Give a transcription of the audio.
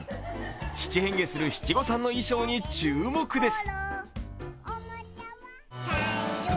七変化する七五三の衣装に注目です。